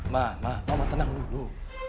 mama mama tenang dulu